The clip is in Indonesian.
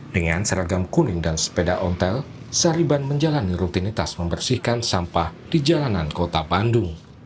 dengan seragam kuning dan sepeda ontel sariban menjalani rutinitas membersihkan sampah di jalanan kota bandung